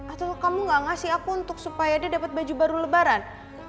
atau kamu gak ngasih aku untuk supaya dia dapat baju baru lebaran